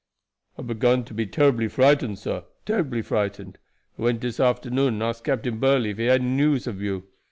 "I began to be terribly frightened, sir terribly frightened. I went dis afternoon and asked Captain Burley if he had any news ob you.